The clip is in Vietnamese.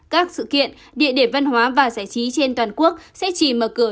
các sự kiện địa điểm văn hóa và giải trí trên toàn quốc sẽ chỉ mở cửa